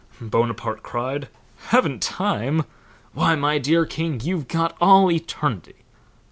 Bonaparte cried, 'Haven't time? Why, my dear king, you've got all eternity.'